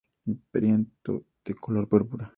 El perianto de color púrpura.